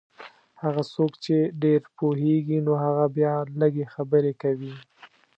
هغه څوک چې ډېر پوهېږي نو هغه بیا لږې خبرې کوي.